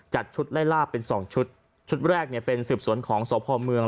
จัดชุดไล่ลาดเป็น๒ชุดชุดแรกเป็นสืบสวนของสหพาลเมือง